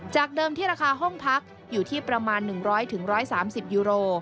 เดิมที่ราคาห้องพักอยู่ที่ประมาณ๑๐๐๑๓๐ยูโร